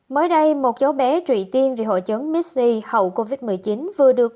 mới đây một cháu bé trụy tiên vì hội chấn mixi hậu covid một mươi chín vừa được